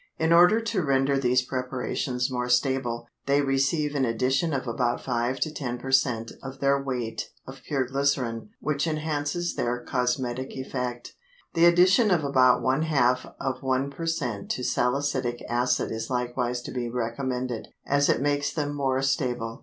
In order to render these preparations more stable, they receive an addition of about five to ten per cent of their weight of pure glycerin which enhances their cosmetic effect. The addition of about one half of one per cent of salicylic acid is likewise to be recommended, as it makes them more stable.